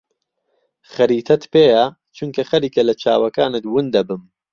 خەریتەت پێیە؟ چونکە خەریکە لە چاوەکانت ون دەبم.